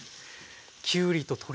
きゅうりと鶏肉。